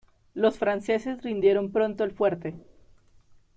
Los franceses rindieron pronto el fuerte.